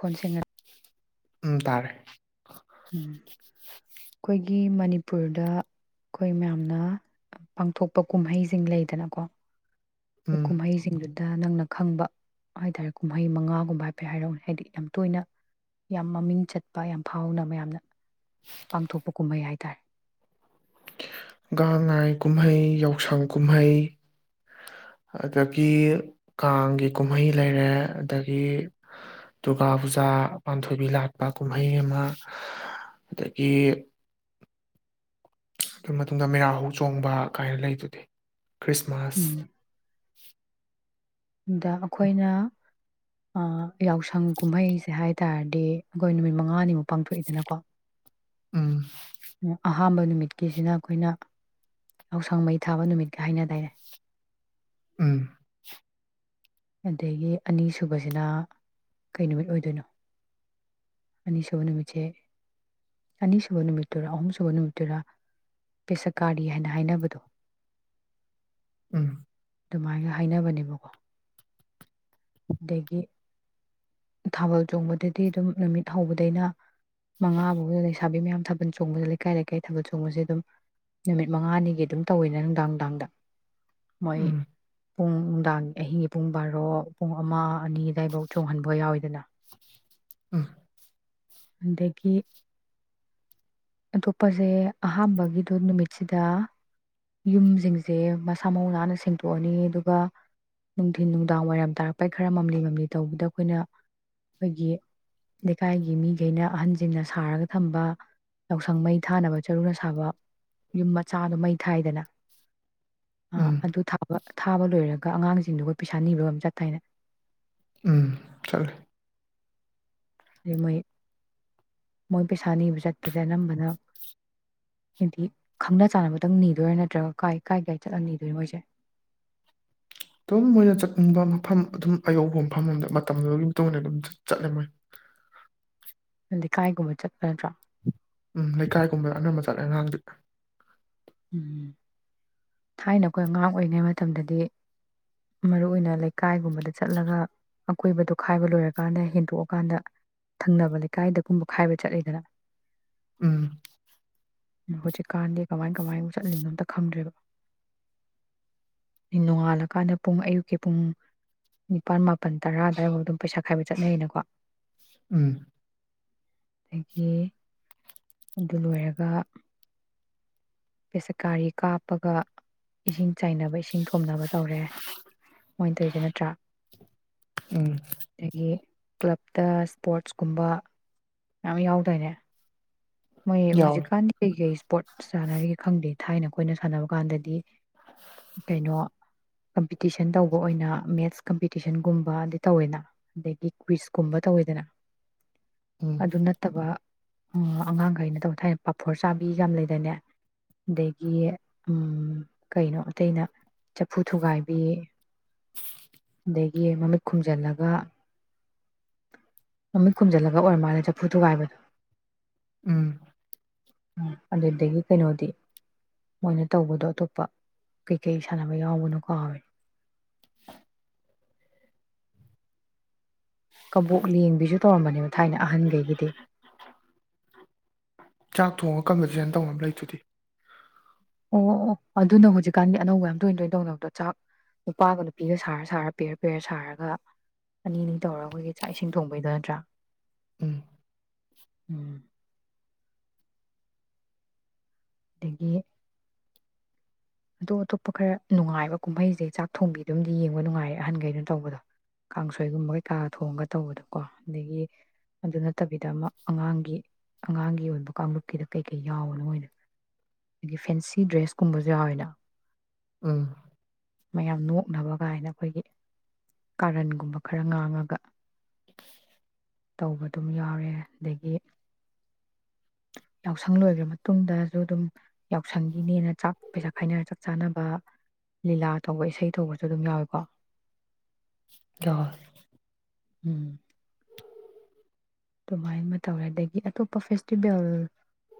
ꯀꯣꯟꯁꯦꯡ ꯎꯝ ꯇꯥꯔꯦ ꯎꯝ ꯈꫭꯏꯒꯤ ꯑꯩꯈꯣꯏꯒꯤ ꯃꯅꯤꯄꯨꯔꯗ ꯑꯩꯈꯣꯏ ꯃꯌꯥꯝꯅ ꯄꯥꯡꯊꯣꯛꯄ ꯀꯨꯝꯍꯩꯁꯤꯡ ꯂꯩꯗꯅꯀꯣ ꯎꯝ ꯀꯨꯝꯍꯩꯁꯤꯡꯗꯨ ꯑ ꯗ ꯅꯪꯅ ꯈꯪꯕ ꯍꯥꯏꯇꯥꯔꯦ ꯀꯨꯝꯍꯩ ꯃꯉꯥꯒꯨꯝꯕ ꯍꯥꯏꯐꯦꯠ ꯍꯥꯏꯔꯛꯅꯦ ꯍꯥꯏꯗꯤ ꯌꯥꯝ ꯇꯣꯏꯅ ꯌꯥꯝ ꯃꯃꯤꯡ ꯆꯠꯄ ꯌꯥꯝ ꯐꯥꯎꯅ ꯃꯌꯥꯝꯅ ꯄꯥꯡꯊꯣꯛꯄ ꯀꯨꯝꯕꯩ ꯍꯥꯏ ꯇ [unintelligible] ꯒꯥꯡ ꯉꯥꯏ ꯀꯨꯝꯍꯩ ꯌꯥꯎꯁꯪ ꯀꯨꯝꯍꯩ ꯑꯗꯒꯤ ꯀꯥꯡꯒꯤ ꯀꯨꯝꯍꯩ ꯂꯩꯔꯦ ꯑꯗꯒꯤ ꯗꯨꯔꯒꯥ ꯄꯨꯖꯥ ꯄꯥꯟꯊꯣꯏꯕꯤ ꯂꯥꯠꯄ ꯀꯨꯝꯍꯩ ꯑꯃ ꯑꯗꯒꯤ ꯑꯗꯨ ꯃꯇꯨꯡꯗ ꯃꯦꯔꯥ ꯍꯧ ꯆꯣꯡꯕ ꯀꯥꯏꯅ ꯂꯩꯗꯨꯗꯤ ꯈ꯭ꯔꯤꯁꯃꯥꯁ ꯎꯝ ꯑꯗ ꯑꯩꯈꯣꯏꯅ ꯌꯥꯎꯁꯪ ꯀꯨꯝꯍꯩꯁꯦ ꯍꯥꯏ ꯇꯥꯔꯗꯤ ꯑꯩꯈꯣꯏ ꯅꯨꯃꯤꯠ ꯃꯉꯥꯅꯤꯃꯨꯛ ꯄꯥꯡꯊꯣꯛꯏꯗꯅꯀꯣ ꯎꯝ ꯑꯍꯥꯥꯟꯕ ꯅꯨꯃꯤꯠꯀꯤꯁꯤꯅ ꯑꯩꯈꯣꯏꯅ ꯌꯥꯎꯁꯪ ꯃꯩ ꯊꯥꯕ ꯅꯨꯃꯤꯠꯀ ꯍꯥꯏꯅ ꯇꯔꯦ ꯎꯝ ꯑꯗꯒꯤ ꯑꯅꯤꯁꯨꯕꯁꯤꯅ ꯀꯩ ꯅꯨꯃꯤꯠ ꯑꯣꯏꯗꯣꯏꯅꯣ ꯑꯅꯤꯁꯨꯕ ꯅꯨꯃꯤꯠꯁꯦ ꯑꯅꯤꯁꯨꯕ ꯅꯨꯃꯤꯠꯇꯔꯥ ꯑꯍꯨꯝꯁꯨꯕ ꯅꯨꯃꯤꯠꯇꯔꯥ ꯄꯦꯁꯛ ꯀꯥꯔꯤ ꯍꯥꯏꯅ ꯍꯥꯏꯅꯕꯗꯣ ꯎꯝ ꯑꯗꯨꯃꯥꯏꯒ ꯍꯥꯏꯅꯕꯅꯦꯕꯀꯣ ꯑꯗꯒꯤ ꯊꯥꯕꯜ ꯆꯣꯡꯕꯗꯗꯤ ꯑꯗꯨꯝ ꯅꯨꯃꯤꯠ ꯍꯧꯕꯗꯩꯅ ꯃꯉꯥ ꯐꯥꯎ ꯂꯩꯁꯥꯕꯤ ꯃꯌꯥꯝ ꯊꯥꯕꯜ ꯆꯣꯡꯕꯗ ꯂꯩꯀꯥꯏ ꯂꯩꯀꯥꯏ ꯊꯥꯕꯜ ꯆꯣꯡꯕꯁꯦ ꯑꯗꯨꯝ ꯅꯨꯃꯤꯠ ꯃꯉꯥꯅꯤꯒꯤ ꯑꯗꯨꯝ ꯇꯧꯋꯤꯅꯦ ꯅꯨꯡꯗꯥꯡ ꯅꯨꯡꯗꯥꯡꯗ ꯃꯣꯏ ꯎꯝ ꯄꯨꯡ ꯅꯨꯡꯗꯥꯡ ꯑꯍꯤꯡꯒꯤ ꯄꯨꯡ ꯕꯥꯔꯣ ꯄꯨꯡ ꯑꯃ ꯑꯅꯤ ꯑꯗꯨꯋꯥꯏꯐꯧ ꯆꯣꯡꯍꯟꯕ ꯌꯥꯎꯋꯤꯗꯅ [unintelligible] ꯑꯗꯒꯤ ꯑꯇꯣꯞꯄꯁꯦ ꯑꯍꯥꯝꯕꯒꯤꯗꯣ ꯅꯨꯃꯤꯠ ꯌꯨꯝꯁꯤꯡꯁꯦ ꯌꯨꯝ ꯃꯆꯥꯗꯨ ꯃꯩ ꯍꯥꯏꯗꯅ ꯑ ꯎꯝ ꯑꯗꯨ ꯊꯥꯕ ꯊꯥꯕ ꯂꯣꯏꯔꯒ ꯑꯉꯥꯡꯁꯤꯡꯗꯨꯒ ꯄꯩꯁꯥ ꯅꯤꯕ ꯑꯃ ꯆ ꯇꯥꯏꯅꯌ ꯎꯝ ꯆꯂꯦ ꯑꯩ ꯃꯣꯏ ꯃꯣꯏ ꯄꯩꯁꯥ ꯅꯤꯕ ꯆꯠꯄꯁꯦ ꯑꯅꯝꯕꯅ ꯍꯥꯏꯗꯤ ꯈꯪꯅ ꯆꯥꯅꯕ ꯈꯤꯇꯪ ꯅꯤꯗꯣꯏꯔꯣ ꯅꯠꯇ꯭ꯔꯒ ꯀꯥꯏ ꯀꯥꯏ ꯀꯥꯏ ꯆꯠꯂ ꯅꯤꯗꯣꯏꯅꯣ ꯃꯣꯏꯁꯦ ꯑꯗꯨꯝ ꯃꯣꯏꯅ ꯆꯠꯅꯤꯡꯕ ꯃꯐꯝ ꯑꯗꯨꯝ ꯑꯌꯧꯕ ꯃꯐꯝ ꯑꯃꯗ ꯃꯇꯝꯗꯨꯒꯤꯇ ꯑꯣꯏꯅ ꯑꯗꯨꯝ ꯆꯠꯂꯦ ꯃꯣꯏ ꯅꯗꯤ ꯀꯥꯏ ꯒꯨꯝꯕ ꯆꯠꯄꯅꯠꯇ꯭ꯔꯥ ꯎꯝ ꯂꯩꯀꯥꯏꯒꯨꯝꯕꯗ ꯑꯅꯝꯕ ꯆꯠꯂꯦ ꯑꯉꯥꯡ ꯎꯝ ꯊꯥꯏꯅ ꯑꯩꯈꯣꯏ ꯑꯉꯥꯡ ꯑꯣꯏꯔꯤꯉꯩ ꯃꯇꯝꯗꯗꯤ ꯃꯔꯨ ꯑꯣꯏꯅ ꯂꯩꯀꯥꯏꯒꯨꯝꯕꯗ ꯆꯠꯂꯒ ꯑꯀꯣꯏꯕꯗꯣ ꯈꯥꯏꯕ ꯂꯣꯏꯔꯀꯥꯟꯗ ꯍꯦꯟꯗꯣꯛꯑꯀꯥꯟꯗ ꯊꯪꯅꯕ ꯂꯩꯀꯥꯏꯗꯒꯨꯝꯕ ꯈꯥꯏꯕ ꯆꯠꯂꯤꯗꯅ ꯎꯝ ꯍꯨꯖꯤꯀꯥꯟꯗꯤ ꯀꯃꯥꯏ ꯀꯃꯥꯏ ꯆꯠꯂꯤꯕꯅꯣ ꯑꯝꯇ ꯈꯪꯗ꯭ꯔꯦꯕ ꯅꯣꯡꯉꯥꯜꯂꯀꯥꯟꯗ ꯄꯨꯡ ꯑꯌꯨꯛꯀꯤ ꯄꯨꯡ ꯅꯤꯄꯥꯜ ꯃꯥꯄꯜ ꯇꯔꯥ ꯑꯗꯨꯋꯥꯏꯐꯥꯎ ꯑꯗꯨꯝ ꯄꯩꯁꯥ ꯈꯥꯏꯕ ꯆꯠꯅꯩꯅꯀꯣ ꯎꯝ ꯑꯗꯒꯤ ꯑꯗꯨ ꯂꯣꯏꯔꯒ ꯄꯦꯁꯀꯥꯔꯤ ꯀꯥꯞꯄꯒ ꯏꯁꯤꯡ ꯆꯥꯏꯅꯕ ꯏꯁꯤꯡ ꯊꯣꯅꯕ ꯇꯧꯔꯦ ꯃꯣꯏꯅ ꯇꯩꯁꯦ ꯅꯠꯇ꯭ꯔꯥ ꯎꯝ ꯑꯗꯒꯤ ꯀ꯭ꯂꯞꯇ ꯏꯁꯄꯣꯔꯠꯁ ꯀꯨꯝꯕ ꯃꯌꯥꯝ ꯌꯥꯎꯗꯣꯏꯅꯦ ꯃꯣꯏ ꯌꯥꯎꯋꯤ ꯍꯧꯖꯤꯛꯀꯥꯟꯗꯤ ꯀꯩ-ꯀꯩ ꯏꯁꯄꯣꯔꯠ ꯁꯥꯟꯅꯔꯤ ꯈꯪꯗꯦ ꯊꯥꯏꯅ ꯑꯩꯈꯣꯏꯅ ꯁꯥꯟꯅꯕ ꯀꯥꯟꯗꯗꯤ ꯀꯩꯅꯣ ꯀꯝꯄꯤꯇꯤꯁꯟ ꯇꯧꯕ ꯑꯣꯏꯅ ꯃꯦꯠꯁ ꯀꯝꯄꯤꯇꯤꯁꯟꯒꯨꯝꯕꯗꯤ ꯇꯧꯋꯦꯅ ꯑꯗꯒꯤ ꯀꯨꯏꯤꯁꯀꯨꯝꯕ ꯇꯧꯋꯦꯗꯅ ꯎꯝ ꯑꯗꯨ ꯅꯠꯇꯕ ꯑ ꯀꯩꯅꯣ ꯇꯧꯕ ꯊꯥꯏꯅ ꯄꯥꯐꯣꯔ ꯆꯥꯕꯤ ꯌꯥꯝ ꯂꯩꯗꯅꯦ ꯑꯗꯒꯤ ꯀꯩꯅꯣ ꯑꯇꯩꯅ ꯆꯐꯨ ꯊꯨꯒꯥꯏꯕꯤ ꯑꯗꯒꯤ ꯃꯃꯤꯠ ꯈꯨꯝꯖꯤꯜꯂꯒ ꯃꯃꯤꯠ ꯈꯨꯝꯖꯤꯜꯂꯒ ꯑꯣꯏꯔ ꯃꯥꯜꯂꯦ ꯆꯐꯨ ꯊꯨꯒꯥꯏꯕꯗꯣ ꯎꯝ ꯎ ꯑꯗꯨꯗꯒꯤ ꯀꯩꯅꯣꯗꯤ ꯃꯣꯏꯅ ꯇꯧꯕꯗꯣ ꯑꯇꯣꯞꯄ ꯀꯩꯀꯩ ꯁꯥꯟꯅꯕ ꯌꯥꯎꯕꯅꯣ ꯀꯥꯎꯔꯦ ꯀꯕꯣꯛ ꯂꯦꯡꯕꯤꯁꯨ [unintelligible] ꯊꯥꯏꯅ ꯑꯍꯟꯈꯩꯒꯤꯗꯤ [unintelligible] ꯇꯧ ꯑꯃ ꯂꯩꯗꯨꯗꯤ ꯑꯣ ꯑꯣ ꯑꯗꯨꯅ ꯍꯧꯖꯤꯛꯀꯥꯟꯗꯤ ꯑꯅꯧꯕ ꯌꯥꯝ ꯇꯣꯏꯅ ꯇꯣꯏꯅ ꯇꯧꯅꯕꯗꯣ ꯆꯥꯛ ꯅꯨꯄꯥꯒ ꯅꯨꯄꯤꯒ ꯁꯥꯔ ꯁꯥꯔ ꯄꯦꯔ ꯄꯦꯔ ꯁꯥꯔꯒ ꯑꯅꯤ ꯑꯅꯤ ꯇꯧꯔꯒ ꯑꯩꯈꯣꯏꯒꯤ ꯆꯥꯛ ꯏꯁꯤꯡ ꯊꯣꯡꯕꯩꯗꯣ ꯅꯠꯇ꯭ꯔꯥ ꯎꯝ ꯎꯝ ꯗꯒꯤ ꯑꯇꯣꯞ ꯑꯇꯣꯞꯄ ꯈꯔ ꯅꯨꯡꯉꯥꯏꯕ ꯀꯨꯝꯍꯩꯁꯦ ꯆꯥꯛ ꯊꯣꯡꯕꯤꯗꯨꯝꯗꯤ ꯌꯦꯡꯕ ꯅꯨꯡꯉꯥꯏꯔ ꯑꯍꯟꯈꯩꯅꯣ ꯇꯧꯕꯗꯣ ꯀꯥꯡꯁꯣꯏꯒꯨꯝꯕ ꯀꯩꯀꯥꯒ ꯊꯣꯡꯉꯒ ꯇꯧꯕꯗꯀꯣ ꯑꯗꯒꯤ ꯑꯗꯨ ꯅꯠꯇꯕꯤꯗ ꯑꯃ ꯑꯉꯥꯡꯒꯤ ꯑꯉꯥꯡꯒꯤ ꯑꯣꯏꯕ ꯀꯥꯡꯂꯨꯞꯀꯤꯗ ꯀꯩꯀꯩ ꯌꯥꯎꯕꯅꯣ ꯃꯣꯏꯗ ꯑꯗꯒꯤ ꯐꯦꯟꯁꯤ ꯗ꯭ꯔꯦꯁ ꯀꯨꯝꯕꯁꯨ ꯌꯥꯎꯋꯦꯅ ꯑꯝ ꯃꯌꯥꯝ ꯅꯣꯛꯅꯕ ꯀꯥꯏꯅ ꯑꯩꯈꯣꯏꯒꯤ ꯀꯥꯔꯟꯒꯨꯝꯕ ꯈꯔ ꯉꯥꯡꯉꯒ ꯇꯧꯕ ꯑꯗꯨꯝ ꯌꯥꯎꯔꯦ ꯑꯗꯒꯤ ꯌꯥꯎꯁꯪ ꯂꯣꯏꯈ꯭ꯔ ꯃꯇꯨꯡꯗꯁꯨ ꯑꯗꯨꯝ ꯌꯥꯎꯁꯪꯒꯤꯅꯦꯅ ꯆꯥꯛ ꯄꯩꯁꯥ ꯍꯥꯏꯅꯔ ꯆꯥꯛ ꯆꯥꯅꯕ ꯂꯤꯂꯥ ꯇꯧꯕ ꯏꯁꯩ ꯇꯧꯕꯁꯨ ꯑꯗꯨꯝ ꯌꯥꯎꯋꯤꯀꯣ [inaudible] ꯎꯝ ꯑꯗꯨꯃꯥꯏꯅ ꯑꯃ ꯇꯧꯔꯦ ꯑꯗꯒꯤ ꯑꯇꯣꯞꯄ ꯐꯦꯁꯇꯤꯚꯦꯜ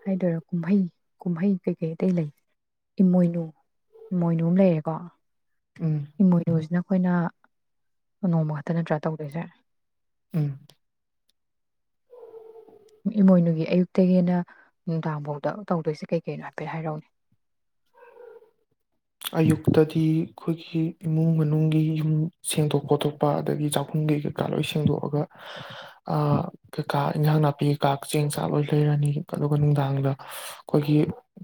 ꯍꯥꯏꯗꯔꯦ ꯀꯨꯝꯍꯩ ꯀꯨꯝꯍꯩ ꯀꯩꯀꯩ ꯑꯇꯩ ꯂꯩ ꯏꯃꯣꯏꯅꯨ ꯏꯃꯣꯏꯅꯨ ꯑꯃ ꯂꯩꯔꯦꯀꯣ ꯎꯝ ꯑꯃꯣꯏꯅꯨ ꯖꯤꯅ ꯑꯩꯈꯣꯏꯅ ꯅꯣꯡꯃ ꯈꯛꯇ ꯅꯠꯇ꯭ꯔꯥ ꯇꯧꯗꯣꯏꯁꯦ ꯎꯝ ꯏꯃꯣꯏꯅꯨꯒꯤ ꯑꯌꯨꯛꯇꯒꯤꯅ ꯅꯨꯡꯗꯥꯡ ꯐꯥꯎꯗ ꯇꯧꯗꯣꯏꯁꯦ ꯀꯩ ꯀꯩꯅꯣ ꯍꯥꯏꯐꯦꯠ ꯍꯥꯏꯔꯛꯎꯅꯦ ꯑꯌꯨꯛꯇꯗꯤ ꯑꯩꯈꯣꯏꯒꯤ ꯏꯃꯨꯡ ꯃꯅꯨꯡꯒꯤ ꯌꯨꯝ ꯁꯦꯡꯗꯣꯛ ꯈꯣꯠꯇꯣꯛꯄ ꯑꯗꯒꯤ ꯆꯥꯛꯈꯨꯝꯒꯤ ꯀꯩꯀꯥ ꯂꯣꯏ ꯁꯦꯡꯗꯣꯛꯑꯒ ꯀꯩꯀꯥ ꯏꯟꯖꯥꯡ ꯅꯥꯄꯤ ꯀꯩꯀꯥ ꯆꯦꯡ ꯆꯥꯛ ꯂꯣꯏ ꯂꯩꯔꯅꯤ ꯑꯗꯨꯒ ꯅꯨꯡꯗꯥꯡꯗ ꯑꯩꯈꯣꯏꯒꯤ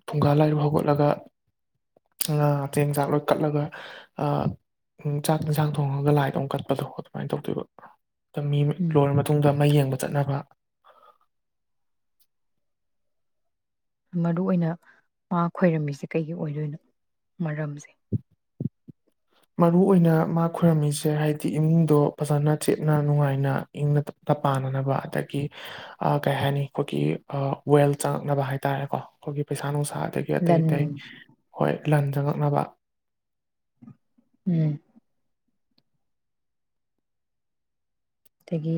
ꯐꯨꯡꯒꯥ ꯂꯥꯏꯔꯨ ꯍꯧꯒꯠꯂꯒ ꯉꯥ ꯆꯦꯡꯖꯥꯛ ꯂꯣꯏ ꯀꯠꯂꯒ ꯑꯥ ꯎ ꯆꯥꯛ ꯏꯟꯁꯥꯡ ꯊꯣꯡꯉꯒ ꯂꯥꯏꯗ ꯑꯃꯛ ꯀꯠꯄꯗꯣ ꯑꯗꯨꯃꯥꯏꯅ ꯇꯧꯗꯣꯏꯕ ꯇ ꯃꯤ ꯎꯝ ꯂꯣꯏꯔꯕ ꯃꯇꯨꯡꯗ ꯃꯩ ꯌꯦꯡꯕ ꯆꯠꯅꯕ ꯃꯔꯨꯏ ꯑꯣꯏꯅ ꯃꯥ ꯈꯣꯏꯔꯝꯃꯤꯁꯦ ꯀꯩꯒꯤ ꯑꯣꯏꯗꯣꯏꯅꯣ ꯃꯔꯝꯁꯦ ꯃꯔꯨꯏꯅ ꯃꯥ ꯈꯣꯏꯔꯝꯃꯤꯁꯦ ꯍꯥꯏꯗꯤ ꯏꯃꯨꯡꯗꯣ ꯐꯖꯅ ꯆꯦꯠꯅ ꯅꯨꯡꯉꯥꯏꯅ ꯏꯪꯅ ꯇꯞ-ꯄꯥꯟꯅꯅꯕ ꯑꯗꯒꯤ ꯑꯥ ꯀꯩ ꯍꯥꯏꯅꯤ ꯑꯈꯣꯏꯒꯤ ꯑꯥ ꯋꯦꯜ꯭ꯇ ꯆꯪꯉꯛꯅꯕ ꯍꯥꯏ ꯇꯥꯔꯦꯀꯣ ꯑꯩꯈꯣꯏꯒꯤ ꯄꯩꯁꯥ ꯅꯨꯡꯁꯥ ꯑꯗꯒꯤ ꯑꯇꯩ ꯂꯟ ꯑꯇꯩ ꯍꯣꯏ ꯂꯟ ꯆꯪꯉꯛꯅꯕ ꯎꯝ ꯑꯗꯒꯤ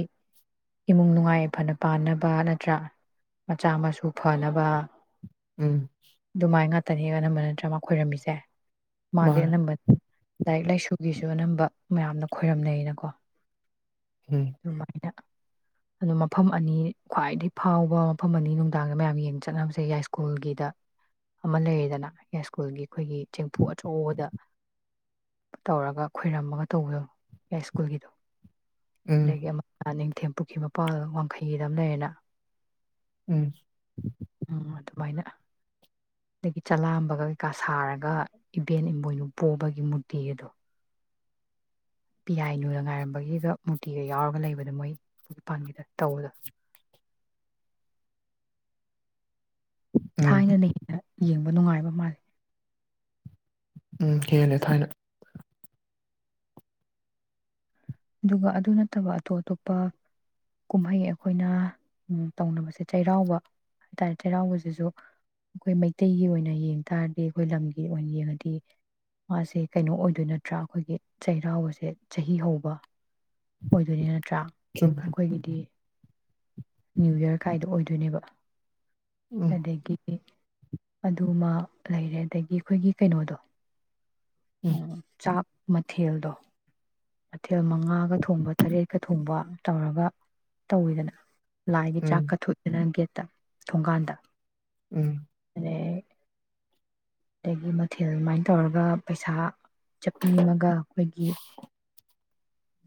ꯏꯃꯨꯡ ꯅꯨꯡꯉꯥꯏ ꯌꯥꯏꯐꯅ ꯄꯥꯟꯅꯕ ꯅꯠꯇ꯭ꯔꯥ ꯃꯆꯥ ꯃꯁꯨ ꯐꯅꯕ ꯎꯝ ꯑꯗꯨꯃꯥꯏ ꯉꯥꯇꯅꯤ ꯑꯅꯝꯕ ꯅꯠꯇ꯭ꯔ ꯃꯥ ꯈꯣꯏꯔꯝꯃꯤꯁꯦ ꯃꯥꯗꯤ ꯃꯥꯅꯦ ꯑꯅꯝꯕ ꯂꯥꯏꯔꯤꯛ ꯂꯥꯏꯁꯨꯒꯤꯁꯨ ꯑꯗꯨ ꯑꯅꯝꯕ ꯃꯌꯥꯝꯅ ꯈꯣꯏꯔꯝꯅꯩꯌꯦꯅꯀꯣ ꯎꯝ ꯑꯗꯨꯃꯥꯏꯅ ꯑꯗꯣ ꯃꯐꯝ ꯑꯅꯤ ꯈ꯭ꯋꯥꯏꯗꯒꯤ ꯐꯥꯎꯕ ꯃꯐꯝ ꯑꯅꯤ ꯅꯨꯡꯗꯥꯡꯗ ꯃꯌꯥꯝ ꯌꯦꯡ ꯆꯠꯅꯕꯁꯦ ꯌꯥꯏꯁ꯭ꯀꯨꯜꯒꯤꯗ ꯑꯃ ꯂꯩꯔꯦꯗꯅ ꯌꯥꯏꯁꯀꯨꯜꯒꯤ ꯑꯩꯈꯣꯏꯒꯤ ꯆꯦꯡꯐꯨ ꯑꯆꯧꯕꯗ ꯇꯧꯔꯒ ꯈꯣꯏꯔꯝꯃꯒ ꯇꯧꯕꯗꯣ ꯌꯥꯏꯁ꯭ꯀꯨꯜꯒꯤꯗꯣ ꯎꯝ ꯑꯗꯒꯤ ꯑꯃ [unintelligible] ꯊꯦꯝ ꯄꯨꯨꯀꯤ ꯃꯄꯥꯜ ꯋꯥꯡꯈꯩꯒꯤꯗ ꯑꯃ ꯂꯩꯔꯦꯅ ꯎꯝ ꯃꯥꯏꯅ ꯑꯗꯒꯤ ꯆꯂꯥꯝꯕꯒ ꯀꯩꯀꯥ ꯁꯥꯔꯒ, ꯏꯕꯦꯟ ꯏꯃꯣꯏꯅꯨ ꯄꯣꯕꯒꯤ ꯃꯨꯔꯇꯤ ꯒꯗꯣ ꯄꯤꯌꯥꯏꯅꯨꯅ ꯉꯥꯏꯔꯝꯕꯒꯤꯒ [unintelligible] ꯌꯥꯎꯔꯒ ꯂꯩꯕꯗ ꯃꯣꯏ ꯄꯥꯟꯒꯤꯗ ꯇꯧꯕꯗꯣ ꯎꯝ ꯊꯥꯏꯅ ꯅꯩꯅ ꯌꯦꯡꯑꯣ ꯅꯨꯡꯉꯥꯏꯕ ꯃꯥꯜꯂꯦ ꯎꯝ ꯍꯦꯂꯦ ꯊꯥꯏꯅ ꯑꯗꯨꯒ ꯑꯗꯨ ꯅꯠꯇꯕ ꯑꯇꯣ ꯑꯇꯣꯞꯄ ꯀꯨꯝꯍꯩ ꯑꯩꯈꯣꯏꯅ ꯇꯧꯅꯕꯁꯦ ꯆꯩꯔꯥꯎꯕ ꯍꯥꯏ ꯇꯥꯔꯦ ꯆꯩꯔꯥꯎꯕꯖꯤꯁꯨ ꯑꯩꯈꯣꯏ ꯃꯩꯇꯩꯒꯤ ꯑꯣꯏꯅ ꯌꯦꯡ ꯇꯥꯔꯗꯤ ꯑꯩꯈꯣꯏ ꯂꯝꯒꯤ ꯑꯣꯏꯅ ꯌꯦꯡꯉꯗꯤ ꯃꯥꯁꯦ ꯀꯩꯅꯣ ꯑꯣꯏꯗꯣꯏ ꯅꯠꯇ꯭ꯔꯥ ꯑꯩꯈꯣꯏꯒꯤ ꯆꯩꯔꯥꯎꯕꯁꯦ ꯆꯥꯍꯤ ꯍꯧꯕ ꯑꯣꯏꯗꯣꯌꯠ ꯇ꯭ꯔꯥ ꯆꯨꯝꯃꯦ ꯅꯈꯣꯏꯒꯤꯗꯤ ꯅ꯭ꯌꯨ ꯌꯔ ꯀꯥꯏꯗꯣ ꯑꯣꯏꯗꯣꯏꯅꯦꯕ ꯎꯝ ꯑꯗꯒꯤ ꯏ ꯑꯗꯨꯃ ꯂꯩꯔꯦ ꯑꯗꯒꯤ ꯑꯩꯈꯣꯏꯒꯤ ꯀꯩꯅꯣꯗꯣ ꯎꯝ ꯆꯥꯛ ꯃꯊꯦꯜꯗꯣ ꯃꯊꯦꯜ ꯃꯉꯥꯒ ꯊꯣꯡꯕ ꯇꯔꯦꯠꯀ ꯊꯣꯡꯕ ꯇꯧꯔꯒ ꯇꯧꯋꯤꯗꯅ ꯂꯥꯏꯒꯤ ꯎꯝ ꯆꯥꯛꯀꯥ [unintelligible] ꯒꯦꯠ ꯇꯥ ꯊꯣꯡꯒꯥꯟꯗ ꯎꯝ ꯗꯥꯒꯤ ꯃꯊꯦꯜ ꯃꯥꯏꯟ ꯇꯧꯔꯒ ꯄꯩꯁꯥ ꯆꯞꯄꯤ ꯑꯃꯒ ꯑꯩꯈꯣꯏꯒꯤ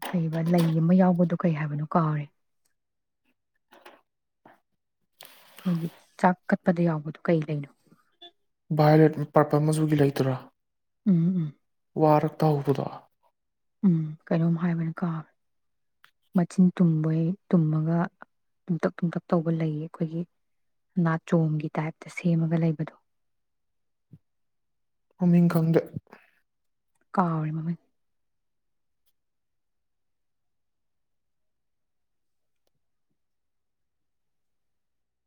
ꯀꯩꯕ ꯂꯩ ꯑꯃ ꯌꯥꯎꯕꯗꯣ ꯀꯩ ꯍꯥꯏꯕꯅꯣ ꯀꯥꯎꯔꯦ [unintelligible] ꯆꯥꯛ ꯀꯠꯄꯗ ꯌꯥꯎꯕꯗꯣ ꯀꯩ ꯂꯩꯅꯣ ꯚꯥꯏꯌꯣꯔꯂꯦꯠ ꯄꯔꯄꯜ ꯃꯆꯨꯒꯤ ꯂꯩꯗꯨꯔꯣ ꯎꯝ ꯎꯝ ꯋꯥꯔꯛ ꯇꯥꯎꯕꯗꯣ ꯎꯝ ꯀꯩꯅꯣꯝ ꯍꯥꯏꯕꯅꯦ ꯀꯥꯎꯑ ꯃꯆꯤꯟ ꯇꯨꯝꯕꯣꯏ ꯇꯨꯝꯃꯒ ꯇꯨꯝꯇꯛ ꯇꯨꯝꯇꯛ ꯇꯧꯕ ꯂꯩ ꯑꯩꯈꯣꯏꯒꯤ ꯅꯥꯆꯣꯡꯒꯤ ꯇꯥꯏꯞꯇ ꯁꯦꯝꯃꯒ ꯂꯩꯕꯗꯣ ꯃꯃꯤꯡ ꯈꯪꯗꯦ ꯀꯥꯎꯔꯦ ꯃꯃꯤꯡ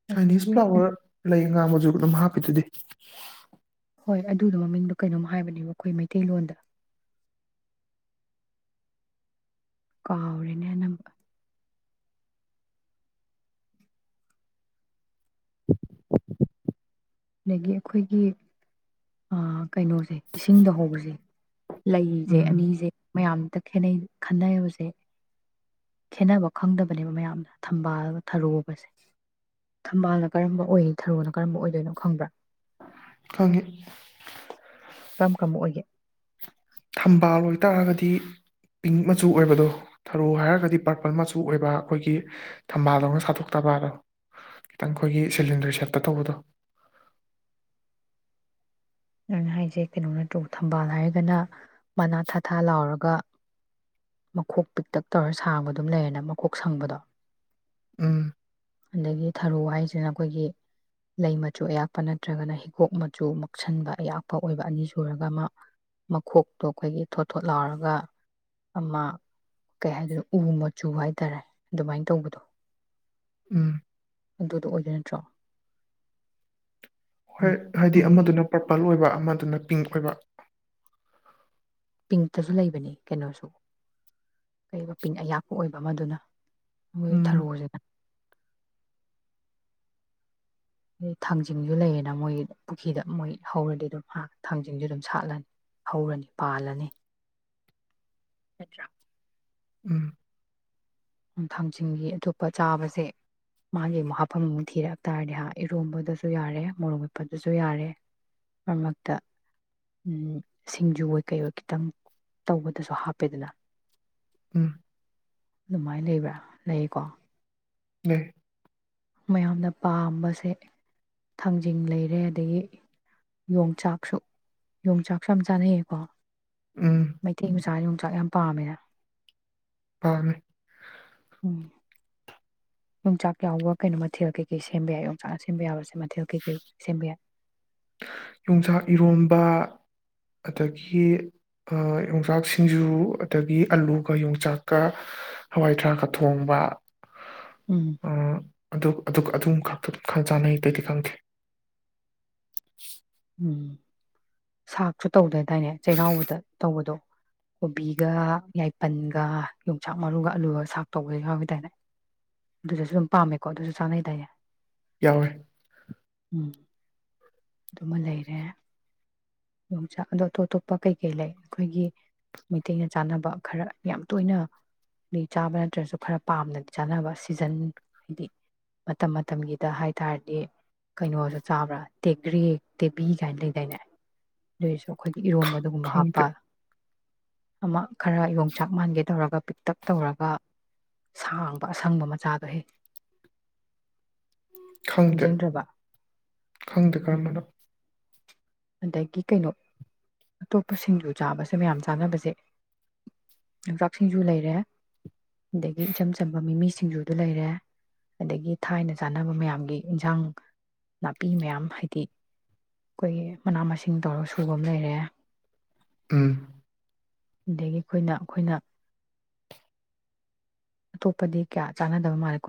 ꯆꯥꯏꯅꯤꯁ ꯑꯗꯒꯤ ꯐꯂꯥꯋ꯭ꯔ ꯂꯩ ꯉꯥꯡ ꯃꯖꯨ ꯑꯗꯨꯝ ꯍꯥꯞꯄꯤꯗꯨꯗꯤ ꯍꯣꯏ ꯑꯗꯨꯗꯣ ꯃꯃꯤꯡꯗꯣ ꯀꯩꯅꯣꯝ ꯍꯥꯏꯕꯅꯦꯕ ꯑꯩꯈꯣꯏ ꯃꯩꯇꯩꯂꯣꯟꯗ ꯀꯥꯎꯔꯦꯅꯦ ꯅꯝꯕ ꯑꯗꯒꯤ ꯑꯩꯈꯣꯏꯒꯤ ꯑ ꯀꯩꯅꯣꯁꯦ ꯏꯁꯤꯡꯗ ꯍꯧꯕꯁꯦ ꯂꯩꯖꯦ ꯎꯝ ꯑꯅꯤꯖꯦ ꯃꯌꯥꯝ ꯇꯥꯈꯦꯜꯂꯩ ꯈꯟꯅꯔꯦ ꯍꯧꯖꯤꯛ꯫ ꯈꯦꯟꯅꯕ ꯈꯪꯗꯕꯅꯦꯕ ꯃꯌꯥꯝꯅ ꯊꯝꯕꯥꯜ ꯊꯔꯣꯒꯁꯦ꯫ ꯊꯝꯕꯥꯜꯅ ꯀꯔꯝꯕ ꯑꯣꯏ ꯊꯔꯣꯅ ꯀꯔꯝꯕ ꯑꯣꯏꯗꯣꯏꯅꯣ ꯈꯪꯕ꯭ꯔꯥ ꯈꯪꯉꯤ ꯀꯝ ꯀꯝꯕ ꯑꯣꯏꯒꯦ ꯊꯝꯕꯥꯜ ꯑꯣꯏꯇꯥꯔꯒꯗꯤ ꯄꯤꯡ ꯃꯆꯨ ꯑꯣꯏꯕꯗꯣ ꯊꯔꯣ ꯍꯥꯏꯔꯒꯗꯤ ꯄ꯭ꯔꯄꯜ ꯃꯆꯨ ꯑꯣꯏꯕ ꯑꯩꯈꯣꯏꯒꯤ ꯊꯝꯕꯥꯜꯗꯧꯅ ꯁꯥꯇꯣꯛꯇꯕꯗꯣ ꯈꯤꯇꯪ ꯑꯩꯈꯣꯏꯒꯤ ꯁꯤꯂꯤꯟꯗꯔ ꯁꯦꯞꯇ ꯇꯧꯕꯗꯣ ꯅꯪ ꯍꯥꯏꯁꯦ ꯀꯩꯅꯣ ꯅꯠꯇ꯭ꯔꯣ ꯊꯝꯕꯥꯜ ꯍꯥꯏꯔꯒꯅ ꯃꯅꯥ ꯊꯥꯊꯥ ꯂꯥꯎꯔꯒ ꯃꯈꯣꯛ ꯄꯤꯛꯇꯛ ꯇꯧꯔ ꯁꯥꯡꯕ ꯑꯗꯨꯝ ꯂꯩꯔꯦꯅ ꯃꯈꯣꯛ ꯁꯪꯕꯗꯣ ꯎꯝ ꯑꯗꯒꯤ ꯊꯔꯣ ꯍꯥꯏꯁꯤꯅ ꯑꯩꯈꯣꯏꯒꯤ ꯂꯩ ꯃꯆꯨ ꯑꯌꯥꯛꯄ ꯅꯠꯇ꯭ꯔꯒꯅ ꯍꯤꯒꯣꯛ ꯃꯆꯨ ꯃꯛꯁꯟꯕ ꯑꯌꯥꯛꯄ ꯑꯣꯏꯕ ꯑꯅꯤ ꯁꯨꯔꯒ ꯑꯃ ꯃꯈꯣꯛꯇꯣ ꯑꯩꯈꯣꯏꯒꯤ ꯊꯣꯠ ꯊꯣꯠ ꯂꯥꯎꯔꯒ ꯑꯃ ꯀꯩ ꯍꯥꯏꯗꯣꯅꯣ ꯎ ꯃꯆꯨ ꯍꯥꯏꯇꯥꯔꯦ ꯑꯗꯨꯃꯥꯏ ꯇꯧꯕꯗꯣ ꯎꯝ ꯑꯗꯨꯗꯣ ꯑꯣꯏꯗꯣꯏ ꯅꯠꯇ꯭ꯔꯣ ꯍꯣꯏ ꯍꯥꯏꯗꯤ ꯃꯣꯏ ꯑꯃꯗꯨꯅ ꯄꯔꯄꯜ ꯑꯣꯏꯕ ꯑꯃꯗꯨꯅ ꯄꯤꯡꯛ ꯑꯣꯏꯕ [unintelligible] ꯄꯤꯡꯛꯇꯁꯨ ꯂꯩꯕꯅꯤ ꯀꯩꯅꯣꯁꯨ ꯀꯩꯕ ꯄꯤꯡ ꯑꯌꯥꯛꯄ ꯑꯣꯏꯕ ꯑꯃꯗꯨꯅ ꯃꯣꯏ ꯎꯝ ꯊꯔꯣꯁꯤꯅ ꯊꯥꯡꯖꯤꯡꯖꯨ ꯂꯩꯌꯦꯅ ꯃꯣꯏ ꯄꯨꯈꯤꯗ ꯃꯣꯏ ꯍꯧꯔꯗꯤ ꯑꯗꯨꯝ ꯍꯥ ꯊꯥꯡꯖꯤꯡꯖꯨ ꯑꯗꯨꯝ ꯁꯥꯠꯂꯅꯤ ꯍꯧꯔꯅꯤ ꯄꯥꯜꯂꯅꯤ ꯅꯠꯇ꯭ꯔꯥ ꯎꯝ ꯅꯨꯡ ꯊꯥꯡꯖꯤꯡꯒꯤ ꯑꯇꯣꯞꯄ ꯆꯥꯕꯁꯦ ꯃꯥꯒꯤ ꯑꯃꯨꯛ ꯍꯥꯞꯐꯝ ꯑꯃꯨꯛ ꯊꯥꯡꯖꯤꯡꯒꯤ ꯑꯇꯣꯞꯄ ꯆꯥꯕꯁꯦ ꯃꯥꯒꯤ ꯑꯃꯨꯛ ꯍꯥꯞꯐꯝ ꯑꯃꯨꯛ ꯊꯤꯔꯛ ꯇꯥꯔꯗꯤ ꯍꯥ ꯏꯔꯣꯝꯕꯗꯁꯨ ꯌꯥꯔꯦ ꯃꯣꯔꯣꯛ ꯃꯦꯠꯄꯗꯁꯨ ꯌꯥꯔꯦ ꯃꯔꯛ ꯃꯔꯛꯇ ꯎꯝ ꯁꯤꯡꯖꯨ ꯑꯣꯏ ꯀꯩ ꯑꯣꯏ ꯈꯤꯇꯪ ꯇꯧꯕꯗꯁꯨ ꯍꯥꯞꯄꯦꯗꯅ ꯎꯝ ꯑꯗꯨꯃꯥꯏꯅ ꯂꯩꯕ꯭ꯔꯥ ꯂꯩꯌꯦꯀꯣ ꯂꯩ ꯃꯌꯥꯝꯅ ꯄꯥꯝꯕꯁꯦ ꯊꯥꯡꯖꯤꯡ ꯂꯩꯔꯦ ꯑꯗꯒꯤ ꯌꯣꯡꯆꯥꯛꯁꯨ ꯌꯣꯡꯆꯥꯛꯁꯨ ꯌꯥꯝ ꯆꯥꯅꯩꯌꯦꯀꯣ ꯎꯝ ꯃꯩꯇꯩ ꯃꯆꯥ ꯌꯣꯡ ꯆꯥꯛ [unintelligible] ꯌꯥꯝ ꯄꯥꯝꯃꯦꯍꯥ ꯃꯅꯦ ꯎꯝ ꯌꯣꯡꯆꯥꯛ ꯌꯥꯎꯕ ꯀꯩꯅꯣ ꯃꯊꯦꯜ ꯀꯩꯀꯩ ꯁꯦꯝꯕ ꯌꯥꯏ ꯌꯣꯡꯆꯥꯛꯅ ꯁꯦꯝꯕ ꯌꯕꯁꯦ ꯃꯊꯦꯜ ꯀꯩꯀꯩ ꯁꯦꯝꯕ ꯌꯥꯏ ꯍꯥꯥꯥ ꯌꯣꯡꯆꯥꯛ ꯏꯔꯣꯝꯕ ꯑꯗꯒꯤ ꯑ ꯌꯣꯡꯆꯥꯛ ꯁꯤꯡꯖꯨ ꯑꯗꯒꯤ ꯑꯂꯨꯒ ꯌꯣꯡꯆꯥꯛꯀ ꯍꯋꯥꯏꯊꯔꯥꯛꯀ ꯊꯣꯡꯕ ꯎꯝ ꯑ ꯑꯗꯨ ꯑꯗꯨꯒ ꯑꯗꯨꯝ ꯈꯛꯇ ꯈꯪꯆꯟꯅꯩ ꯑꯇꯩꯗꯤ ꯈꯪꯗꯦ [unintelligible] ꯎꯝ ꯁꯥꯛꯁꯨ ꯇꯧꯗꯗꯥꯏꯅꯦ ꯆꯩꯔꯥꯎꯕꯗ ꯇꯧꯕꯗꯣ ꯀꯣꯕꯤꯒ ꯌꯥꯏꯄꯟꯒ ꯌꯣꯡꯆꯥꯛ ꯃꯔꯨꯒ ꯑꯂꯨꯒ ꯁꯥꯛ ꯇꯧꯕꯗ ꯌꯥꯎꯕꯩ ꯇ꯭ꯄ ꯑꯗꯨꯗꯁꯨ ꯑꯗꯨꯝ ꯄꯥꯝꯃꯦꯀꯣ ꯑꯗꯨꯁꯨ ꯆꯅꯩꯗꯥꯏꯅꯦ ꯌꯥꯎꯋꯦ [inaudible] ꯗꯨꯃ ꯂꯩꯔꯦ ꯌꯣꯡꯆꯥꯛ ꯑꯗꯣ ꯑꯇꯣꯞ ꯑꯇꯣꯞꯄ ꯀꯩ ꯀꯩ ꯂꯩ ꯑꯩꯈꯣꯏꯒꯤ ꯃꯩꯇꯩꯅ ꯆꯥꯅꯕ ꯈꯔ ꯌꯥꯝ ꯇꯣꯏꯅ-ꯗꯤ ꯆꯥꯕ ꯅꯠꯇ꯭ꯔꯁꯨ ꯈꯔ ꯄꯥꯝꯅꯗꯤ ꯆꯥꯅꯕ ꯁꯤꯖꯟ ꯍꯥꯏꯗꯤ ꯃꯇꯝ ꯃꯇꯝꯒꯤꯗ ꯍꯥꯏ ꯇꯥꯔꯗꯤ ꯀꯩꯅꯣꯁꯨ ꯆꯥꯕ꯭ꯔꯥ ꯇꯦꯒ꯭ꯔꯤ ꯇꯦꯕꯤ ꯀꯥꯏꯅ ꯂꯩꯗꯥꯏꯅꯦ ꯂꯩꯔꯁꯨ ꯑꯩꯈꯣꯏꯒꯤ ꯏꯔꯣꯟꯕ ꯑꯗꯨꯒꯨꯝꯕ ꯍꯥꯞꯄ ꯈꯪꯗꯦ ꯑꯃ ꯈꯔ ꯌꯣꯡꯆꯥꯛ ꯃꯥꯟꯒꯦ ꯇꯧꯔꯒ ꯄꯤꯛꯇꯞ ꯇꯧꯔꯒ ꯁꯥꯡꯕ ꯑꯁꯪꯕ ꯃꯆꯥꯗꯣ ꯍꯦ ꯈꯪꯗꯦ ꯈꯪꯗꯦ ꯎꯝ ꯀꯥꯔꯝꯕꯅꯣ ꯑꯗꯒꯤ ꯀꯩꯅꯣ ꯑꯇꯣꯞꯄ ꯁꯤꯡꯖꯨ ꯆꯥꯕꯁꯦ ꯃꯌꯥꯝ ꯆꯥꯅꯕꯁꯦ ꯌꯣꯟꯆꯥꯛ ꯁꯤꯡꯖꯨ ꯂꯩꯔꯦ ꯑꯗꯒꯤ ꯏꯆꯝ ꯆꯝꯕ ꯃꯤꯃꯤ ꯁꯤꯡꯖꯨꯗꯨ ꯂꯩꯔꯦ ꯑꯗꯒꯤ ꯊꯥꯏꯅ ꯆꯥꯅꯕ ꯃꯌꯥꯝꯒꯤ ꯏꯟꯖꯥꯡ ꯅꯥꯄꯤ ꯃꯌꯥꯝ ꯍꯥꯏꯗꯤ ꯑꯩꯈꯣꯏ ꯃꯅꯥ ꯃꯁꯤꯡ ꯅꯨꯡ ꯇꯧꯔꯒ ꯁꯨꯕ ꯑꯃ ꯂꯩꯔꯦ ꯎꯨꯝ ꯑꯗꯩꯒꯤ ꯑꯩꯈꯣꯏꯅ ꯑꯩꯈꯣꯏꯅ ꯑꯇꯣꯄꯗꯤ ꯀꯌꯥ ꯆꯥꯟꯅꯗꯕ ꯃꯥꯜꯂꯦꯀ